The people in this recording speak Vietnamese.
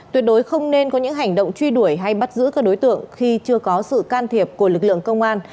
tuyệt đối không nên có những hành động truy đuổi hay bắt giữ các đối tượng khi chưa có sự can thiệp của lực lượng công an